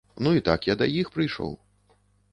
Ну і так я да іх прыйшоў.